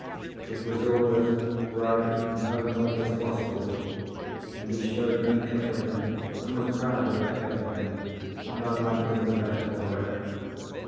It was all as bright and homelike as possible, and he showed me everything, and was proud of everything, and I liked him the better for it.